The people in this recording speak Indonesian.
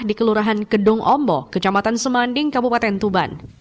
di kelurahan kedong ombok kecamatan semanding kabupaten tuban